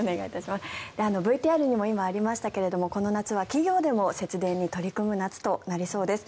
ＶＴＲにも今ありましたがこの夏は企業でも節電に取り組む夏となりそうです。